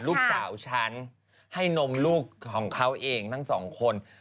ลูกสาวฉันให้นมลูกของเขาเองทั้งสองคน